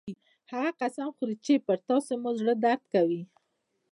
هغه قسم خوري چې پر تاسو مې زړه درد کوي